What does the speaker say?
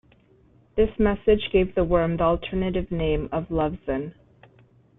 This message gave the worm the alternative name of Lovesan.